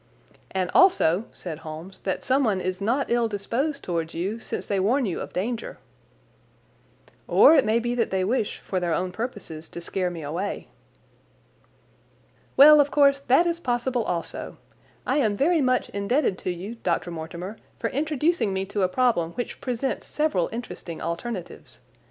"And also," said Holmes, "that someone is not ill disposed towards you, since they warn you of danger." "Or it may be that they wish, for their own purposes, to scare me away." "Well, of course, that is possible also. I am very much indebted to you, Dr. Mortimer, for introducing me to a problem which presents several interesting alternatives.